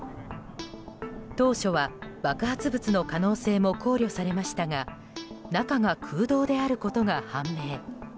当初は爆発物の可能性も考慮されましたが中が空洞であることが判明。